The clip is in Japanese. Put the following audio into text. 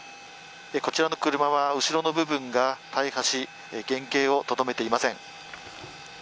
こちらの車は後ろの部分が大破し原型を留めていません。